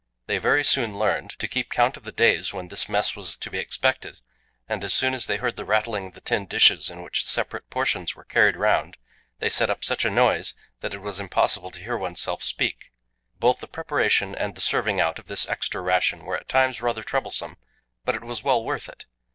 They very soon learned to keep count of the days when this mess was to be expected, and as soon as they heard the rattling of the tin dishes in which the separate portions were carried round, they set up such a noise that it was impossible to hear oneself speak. Both the preparation and the serving out of this extra ration were at times rather troublesome, but it was well worth it.